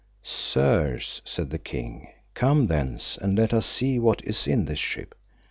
Sirs, said the king, come thence, and let us see what is in this ship.